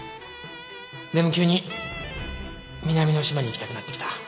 でも急に南の島に行きたくなってきた。